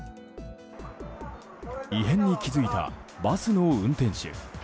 異変に気付いたバスの運転手。